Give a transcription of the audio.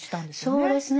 そうですね